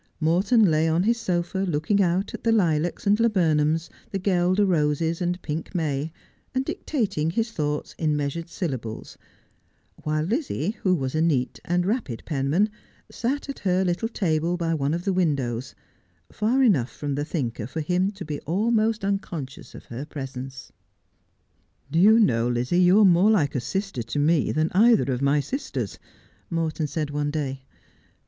Morton lay on his sofa looking out at the lilacs and laburnums, the guelder roses and pink may, and dictating his thoughts in measured syllables ; while Lizzie, who was a neat and rapid penman, sat at her little table by one of the windows, far enough from the thinker for him to be almost unconscious of her presence. ' Do you know, Lizzie, you are more like a sister to me than either of my sisters,' Morton said one day.